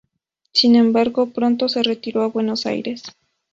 Sin embargo, pronto se retiró a Buenos Aires.